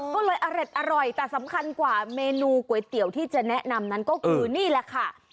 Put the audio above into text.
ก็เลยอร่อยแต่สำคัญกว่าเมนูก๋วยเตี๋ยวที่จะแนะนำนั้นก็คือนี่แหละค่ะ